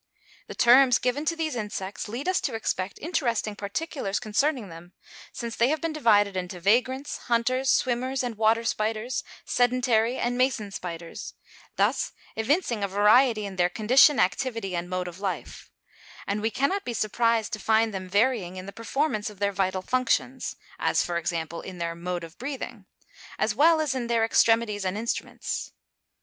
The terms given to these insects, lead us to expect interesting particulars concerning them, since they have been divided into vagrants, hunters, swimmers, and water spiders, sedentary, and mason spiders; thus evincing a variety in their condition, activity, and mode of life; and we cannot be surprised to find them varying in the performance of their vital functions (as, for example, in their mode of breathing), as well as in their extremities and instruments.